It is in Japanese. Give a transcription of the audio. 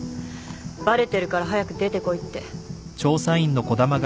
バレてるから早く出てこいって。